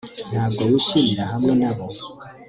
Ntabwo wishimira hamwe nabo